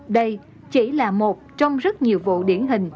đây chỉ là một trong rất nhiều vụ điển hình